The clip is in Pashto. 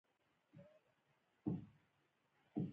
هو رښتیا، ته دې ښه خبره وکړل، ته زړوره یې.